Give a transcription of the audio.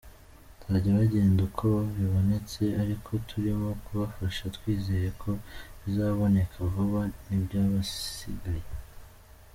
Bazajya bagenda uko bibonetse ariko turimo kubafasha twizeye ko bizaboneka vuba n’iby’abasigaye.